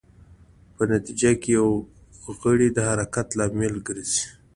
په نتېجه کې د یو غړي د حرکت لامل ګرځي.